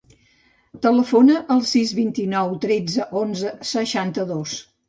Telefona al sis, vint-i-nou, tretze, onze, seixanta-dos.